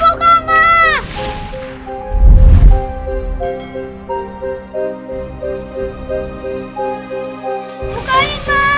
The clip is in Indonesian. gua gak mau ke jum'at belief